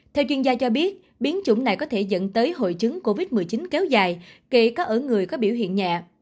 theo chuyên gia cho biết biến chủng này có thể dẫn tới hội chứng covid một mươi chín kéo dài kể cả ở người có biểu hiện nhẹ